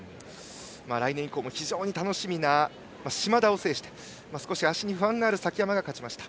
来年以降も非常に楽しみな嶋田を制して少し、足に不安がある崎山が勝ちました。